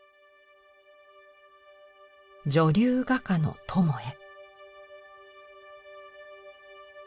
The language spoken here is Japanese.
「女流画家の友へ」。